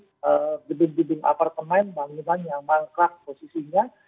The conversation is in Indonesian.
jadi gedung gedung apartemen bangunan yang mengklak posisinya